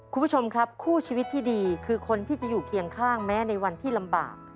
คุณผู้ชมครับคู่ชีวิตที่ดีคือคนที่จะอยู่เคียงข้างแม้ในวันที่ลำบาก